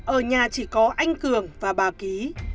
ở nhà chỉ có anh cường và bà ký